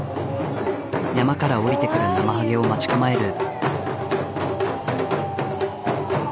山から下りてくるなまはげを待ち構える。